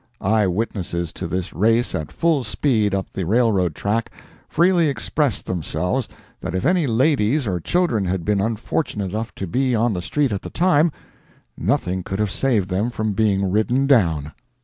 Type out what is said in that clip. Eye witnesses to this race at full speed up the railroad track, freely expressed themselves that if any ladies or children had been unfortunate enough to be on the street at the time, nothing could have saved them from being ridden down.